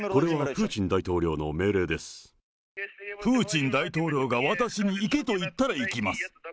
プーチン大統領が私に行けと言ったら行きます。